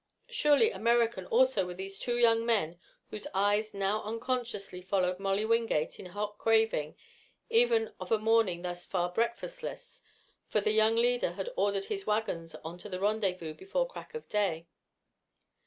Surely American also were these two young men whose eyes now unconsciously followed Molly Wingate in hot craving even of a morning thus far breakfastless, for the young leader had ordered his wagons on to the rendezvous before crack of day.